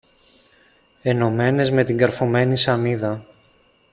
ενωμένες με την καρφωμένη σανίδα.